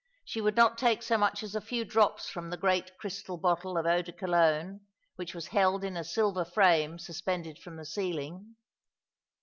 She would not take so much as a few drops from the great crystal bottle of eau de Cologne which was held in a silver frame suspended from the ceiling.